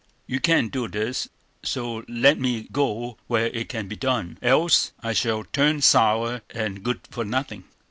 You can't do this; so let me go where it can be done, else I shall turn sour and good for nothing.